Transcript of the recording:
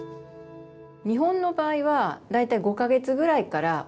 日本の場合は大体５か月ぐらいからお試しをして。